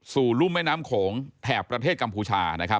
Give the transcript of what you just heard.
สู่รุ่มแม่น้ำโขงแถบประเทศกัมพูชา